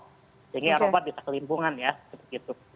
sehingga eropa bisa kelimbungan ya seperti itu